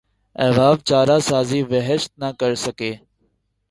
احباب چارہ سازی وحشت نہ کر سکے